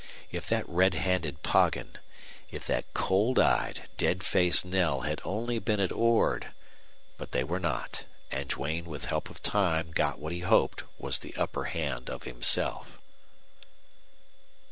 If that red handed Poggin, if that cold eyed, dead faced Knell had only been at Ord! But they were not, and Duane with help of time got what he hoped was the upper hand of himself.